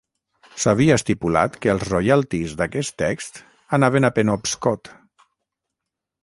S'havia estipulat que els royalties d'aquest text anaven a Penobscot.